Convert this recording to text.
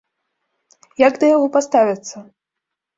Як да яго паставяцца?